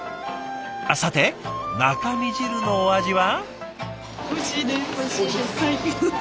あっさて中身汁のお味は？